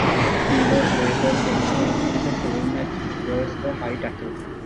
He was later sent off in the same match was a high tackle.